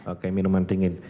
oke minuman dingin